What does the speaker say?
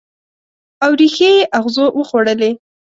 او ریښې یې اغزو وخوړلي